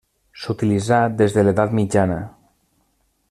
S'utilitzà des de l'edat mitjana.